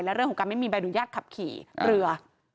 และเรื่องของการไม่มีใบอนุญาตขับขี่เรือ